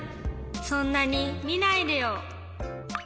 そんなにみないでよ。